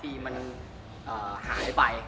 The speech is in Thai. ปีมันหายไป